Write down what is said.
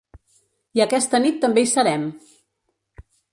I aquesta nit també hi serem !